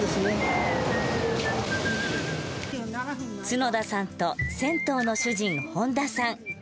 角田さんと銭湯の主人本田さん。